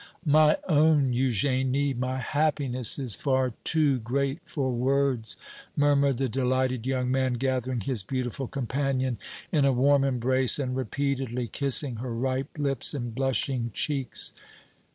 "My own Eugénie, my happiness is far too great for words!" murmured the delighted young man, gathering his beautiful companion in a warm embrace and repeatedly kissing her ripe lips and blushing cheeks.